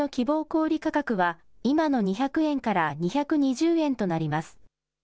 小売り価格は、今の２００円から２２０円となります。